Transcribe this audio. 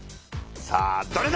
さあどれだ？